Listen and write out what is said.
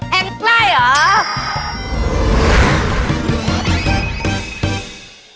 แทงได้เหรอ